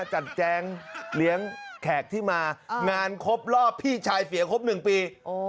แจงเลี้ยงแขกที่มางานครบรอบพี่ชายเสียครบ๑ปี